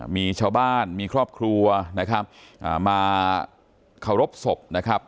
มีชาวบ้านมีครอบครัวนะครับมาเคารพศพนะครับ